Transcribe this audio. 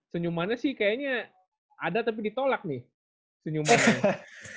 senyumannya sih kayaknya ada tapi ditolak nih senyumannya